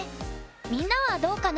みんなはどうかな？